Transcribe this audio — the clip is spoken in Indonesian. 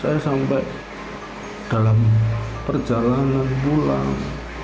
saya sampai dalam perjalanan pulang